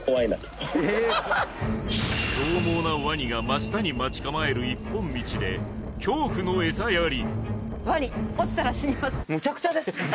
え獰猛なワニが真下に待ち構える一本道で恐怖のエサやり「ワニ落ちたら死にます」